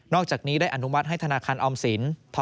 อกจากนี้ได้อนุมัติให้ธนาคารออมสิน